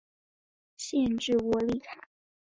县治窝利卡。